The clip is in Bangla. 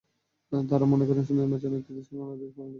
তাঁরা মনে করেন শুধু নির্বাচন একটি দেশকে গণতান্ত্রিক দেশে পরিণত করে না।